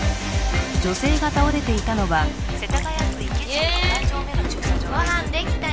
女性が倒れていたのは世田谷区優ご飯できたよ